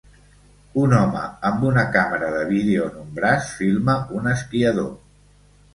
un home amb una càmera de vídeo en un braç filma un esquiador.